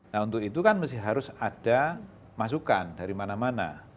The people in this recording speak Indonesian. nah untuk itu kan mesti harus ada masukan dari mana mana